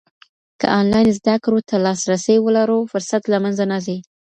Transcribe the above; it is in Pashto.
که انلاین زده کړو ته لاسرسی ولرو، فرصت له منځه نه ځي.